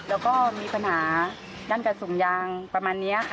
แล้วก็มีปัญหาด้านกระสุนยางประมาณนี้ค่ะ